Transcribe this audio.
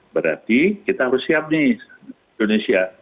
berarti kita harus siap nih indonesia